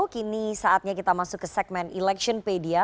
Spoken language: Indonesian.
kini saatnya kita masuk ke segmen electionpedia